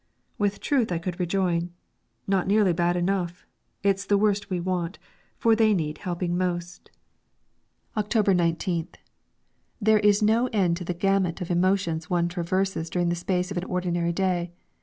With truth I could rejoin: "Not nearly bad enough. It's the worst we want, for they need helping most." October 19th. There is no end to the gamut of emotions one traverses during the space of an ordinary day.